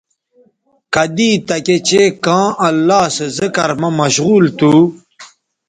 کدی تکےچہء کاں اللہ سو ذکر مہ مشغول تھو